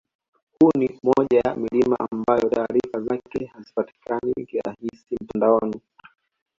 Huu ni moja ya milima ambayo taarifa zake hazipatikani kirahisi mtandaoni